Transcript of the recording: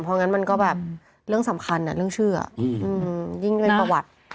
เพราะงั้นมันก็แบบเรื่องสำคัญเรื่องชื่อยิ่งเป็นประวัติ